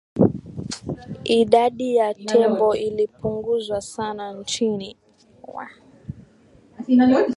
idadi ya tembo ilipunguzwa sana nchini